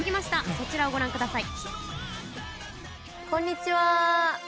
そちらをご覧ください。